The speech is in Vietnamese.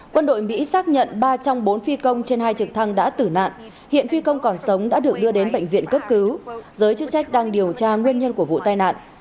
quân đội mỹ xác nhận ba trong bốn phi công trên hai trực thăng đã tử nạn hiện phi công còn sống đã được đưa đến bệnh viện cấp cứu giới chức trách đang điều tra nguyên nhân của vụ tai nạn